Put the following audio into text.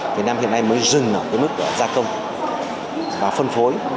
việt nam hiện nay mới dừng ở cái mức gia công và phân phối